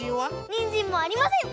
にんじんもありません！